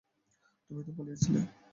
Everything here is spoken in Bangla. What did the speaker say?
তুমি তো পালিয়েছিলে।